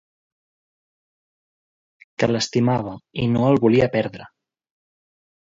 Que l'estimava i no el volia perdre.